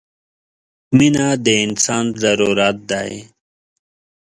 • مینه د انسان ضرورت دی.